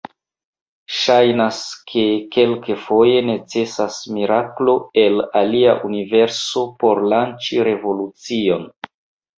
Ŝajnas, ke kelkfoje necesas miraklo el alia universo por lanĉi revolucion.